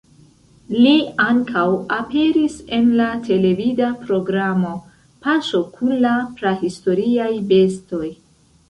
Li ankaŭ aperis en la televida programo "Paŝo kun la prahistoriaj bestoj".